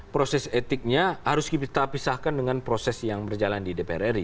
proses etiknya harus kita pisahkan dengan proses yang berjalan di dpr ri